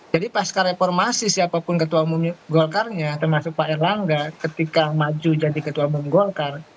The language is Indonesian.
jadi pas kereformasi siapapun ketua umum golkarnya termasuk pak erlangga ketika maju jadi ketua umum golkar